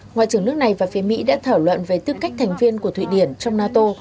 ngoại trưởng nước này và phía mỹ đã thảo luận về tư cách thành viên của thụy điển trong nato